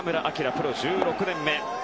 プロ１６年目。